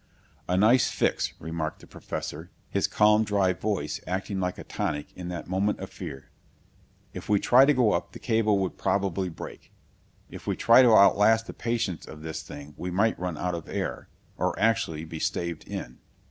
"A nice fix," remarked the Professor, his calm, dry voice acting like a tonic in that moment of fear. "If we try to go up, the cable would probably break. If we try to outlast the patience of this thing we might run out of air, or actually be staved in."